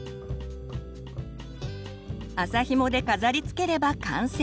麻ひもで飾りつければ完成！